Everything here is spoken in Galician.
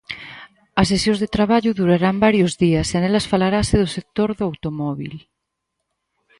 As sesións de traballo durarán varios días e nelas falarase do sector do automóbil.